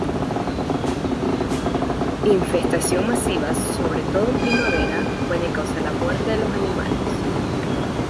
Infestaciones masivas, sobre todo en primavera, pueden causar la muerte de los animales.